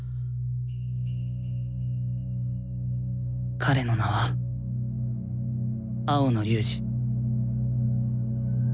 彼の名は青野龍仁。